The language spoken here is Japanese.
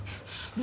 何？